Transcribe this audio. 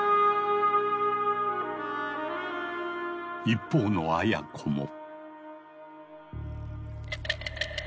一方のアヤ子も。